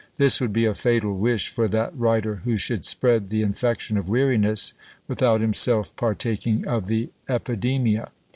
This would be a fatal wish for that writer who should spread the infection of weariness, without himself partaking of the epidemia.